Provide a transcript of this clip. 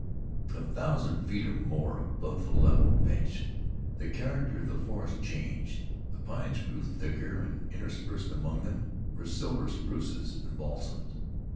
A thousand feet or more above the level bench, the character of the forest changed; the pines grew thicker, and interspersed among them were silver spruces and balsams.